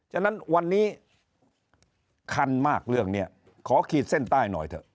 ฉะนั้นวันนี้คันมากเรื่องนี้ขอขีดเส้นใต้หน่อยเถอะ